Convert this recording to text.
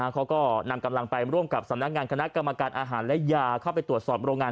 เขาก็นำกำลังไปร่วมกับสำนักงานคณะกรรมการอาหารและยาเข้าไปตรวจสอบโรงงาน